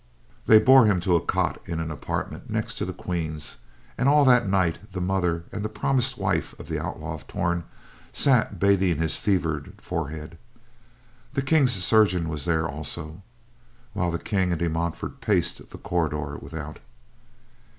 They bore him to a cot in an apartment next the Queen's, and all that night the mother and the promised wife of the Outlaw of Torn sat bathing his fevered forehead. The King's chirurgeon was there also, while the King and De Montfort paced the corridor without.